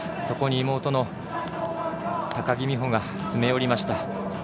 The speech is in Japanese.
そこに妹の高木美帆が詰め寄りました。